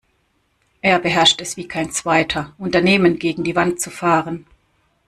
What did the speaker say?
Er beherrscht es wie kein Zweiter, Unternehmen gegen die Wand zu fahren.